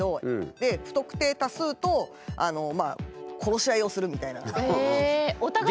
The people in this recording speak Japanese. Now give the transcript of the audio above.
で不特定多数と殺し合いをするみたいな。へお互いを？